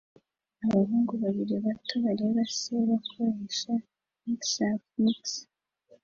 Abahungu babiri bato bareba se bakoresha mix up mixer